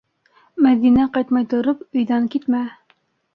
Мәҙинә ҡайтмай тороп, өйҙән китмә.